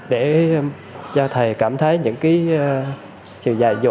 để cho thầy cảm thấy những sự giải dỗ